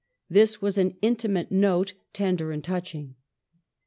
This was an intimate note, tender and touching.